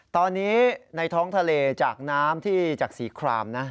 ตอนนี้ในท้องทะเลจากน้ำที่จากสีครามนะ